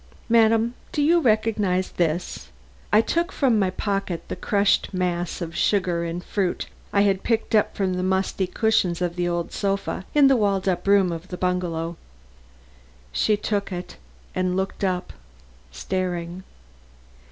"Madam, do you recognize this?" I took from my pocket the crushed mass of colored sugar and fruit I had picked up from the musty cushions of the old sofa in the walled up room of the bungalow. She took it and looked up, staring.